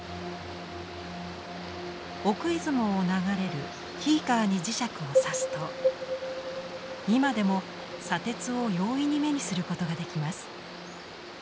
奥出雲を流れる斐伊川に磁石をさすと今でも砂鉄を容易に目にすることができます。